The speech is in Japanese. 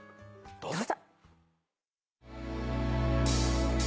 どうぞ。